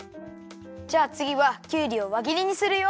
じゃあつぎはきゅうりをわぎりにするよ。